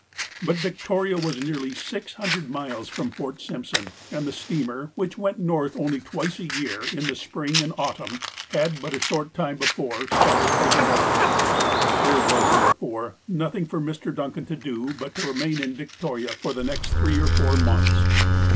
THE INSIDE PASSAGE 45 But Victoria was nearly six hundred miles from Fort Simpson, and the steamer, which went north only twice a year, in the spring and autumn, had but a short time before started for the Northland. There was, therefore, nothing for Mr. Duncan to do but to remain in Victoria for the next three or four months.